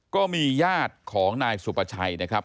ก็มีญาติของนายสุประชัยนะครับ